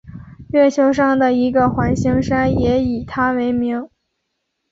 月球上的一个环形山也以他为名。